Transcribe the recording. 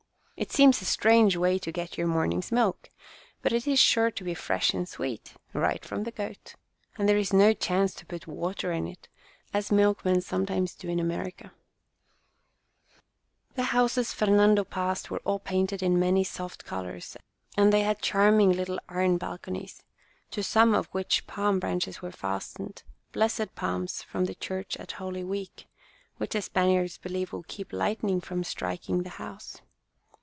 It seems a strange way to get your morning's milk, but it is sure to be fresh and sweet, right from the goat, and there is no chance to put water in it, as milkmen sometimes do in America. I* , f\im £.' W 41 \1'J ^■a* * it * MJMk ^*—■/ THE OWNER PULLED IT UP TO HER WINDOW AGAIN." The Christening 7 The houses Fernando passed were all painted in many soft colours, and they had charming little iron balconies, to some of which palm branches were fastened, blessed palms from the church at Holy Week, which the Span iards believe will keep lightning from striking the house.